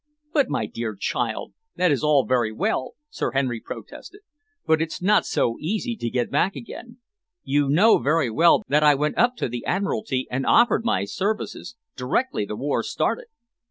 "But, my dear child, that is all very well," Sir Henry protested, "but it's not so easy to get back again. You know very well that I went up to the Admiralty and offered my services, directly the war started."